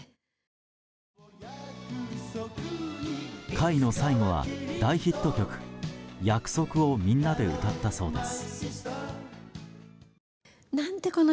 会の最後は大ヒット曲「約束」をみんなで歌ったそうです。